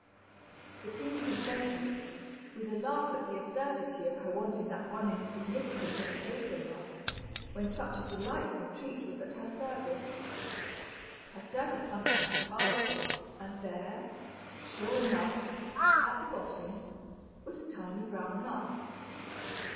The queen consented, with a laugh at the absurdity of her wanting that one insignificant little hazel nut, when such a delightful treat was at her service. Her servants unpacked the basket, and there, sure enough, at the bottom, was a tiny brown nut.